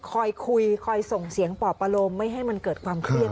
คอยคุยคอยส่งเสียงปอบประโลมไม่ให้มันเกิดความเครียด